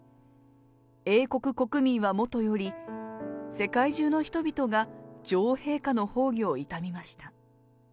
英国国民はもとより、世界中の人々が女王陛下の崩御を悼みました。